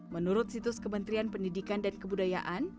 menurut situs kementerian pendidikan dan kebudayaan